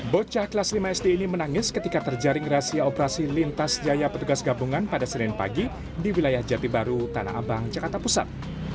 bocah kelas lima sd ini menangis ketika terjaring razia operasi lintas jaya petugas gabungan pada senin pagi di wilayah jati baru tanah abang jakarta pusat